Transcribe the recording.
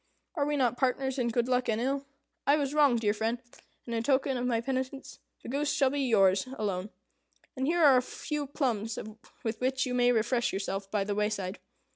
Are we not partners in good luck and ill? I was wrong, dear friend; and, in token of my penitence, the goose shall be yours alone. And here are a few plums with which you may refresh yourself by the wayside.